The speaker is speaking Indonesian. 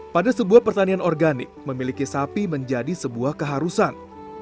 pada sebuah pertanian organik memiliki sapi menjadi sebuah keharusan